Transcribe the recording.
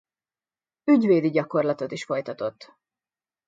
Ügyvédi gyakorlatot is folytatott.